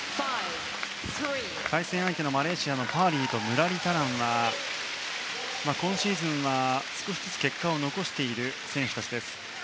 対戦相手のマレーシアのパーリーとムラリタランは今シーズンは少しずつ結果を残している選手たちです。